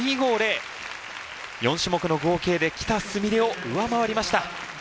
４種目の合計で喜田純鈴を上回りました。